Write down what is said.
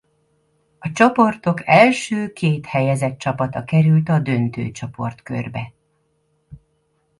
A csoportok első két helyezett csapata került a döntő csoportkörbe.